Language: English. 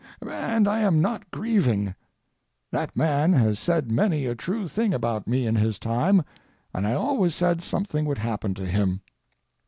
And I am not grieving. That man has said many a true thing about me in his time, and I always said something would happen to him.